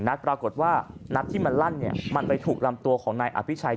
นัดปรากฏว่านัดที่มันลั่นเนี่ยมันไปถูกลำตัวของนายอภิชัย